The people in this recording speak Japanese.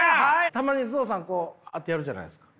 たまにゾウさんこうやってやるじゃないですか。